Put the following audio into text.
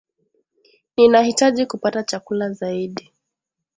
Ninahitaji kupata chakula zaidi.